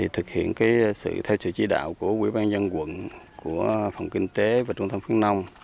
thực hiện theo sự chỉ đạo của quỹ ban dân quận phòng kinh tế và trung tâm phương nông